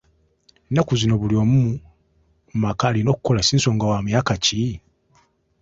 Ennaku zino buli omu mu maka alina okukola si nsonga wa myaka ki?